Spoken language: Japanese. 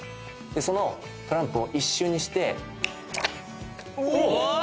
そのトランプを一瞬にしておっ！